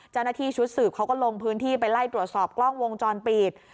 เจ้าหน้าที่ชุดสืบเขาก็ลงพื้นที่ไปไล่ตรวจสอบกล้องวงจรปิด